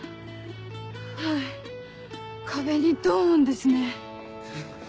はい壁にドン！ですね。